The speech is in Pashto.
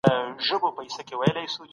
لــكه نـړۍ كي چـي بــل څوك نــه وي